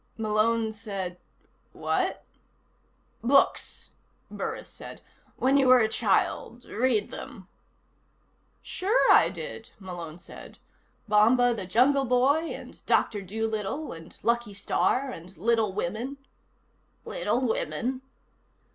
Malone said: "What?" "Books," Burris said. "When you were a child. Read them." "Sure I did," Malone said. "Bomba the Jungle Boy, and Doctor Doolittle, and Lucky Starr, and Little Women " _"Little Women?"